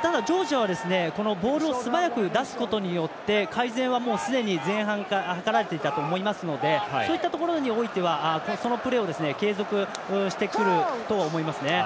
ただ、ジョージアはボールを素早く出すことによってすでに、前半から図られていたと思いますのでそういったところにおいてはそのプレーを継続してくると思いますね。